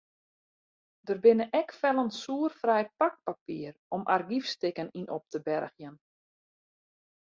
Der binne ek fellen soerfrij pakpapier om argyfstikken yn op te bergjen.